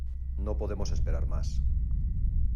No podemos esperar más.